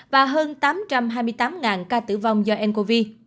và hơn tám trăm hai mươi tám ca tử vong do ncov